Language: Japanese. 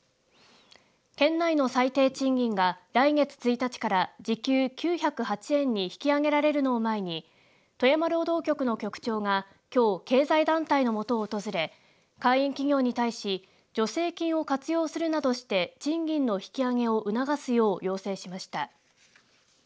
県内の最低賃金が来月１日から時給９０８円に引き上げられるのを前に富山労働局の局長がきょう経済団体の元を訪れ会員企業に対し助成金を活用するなどして賃金の引き上げを促すよう要請しました。